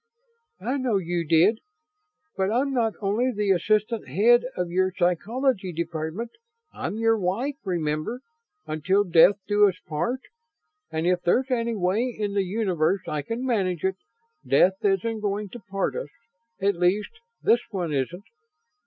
"I know you did. But I'm not only the assistant head of your Psychology Department. I'm your wife, remember? 'Until death do us part.' And if there's any way in the universe I can manage it, death isn't going to part us at least, this one isn't.